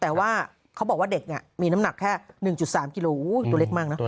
แต่ว่าเขาบอกว่าเด็กมีน้ำหนักแค่๑๓กิโลกรัมตัวเล็กมาก